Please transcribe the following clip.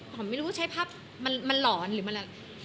ไม่รู้ใช้ภาพมันหลอนหรือมันแบบ